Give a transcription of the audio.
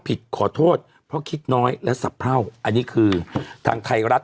ขอบคุณนะครับขอบคุณนะครับขอบคุณนะครับ